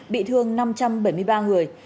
bị thương năm trăm bảy mươi ba người